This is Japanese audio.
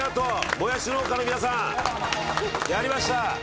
もやし農家の皆さんやりました！